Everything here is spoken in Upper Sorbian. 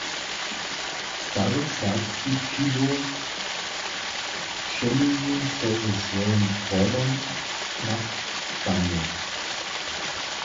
Stary serbski přibóh přeměni so ze swojim hrodom na kamjeń.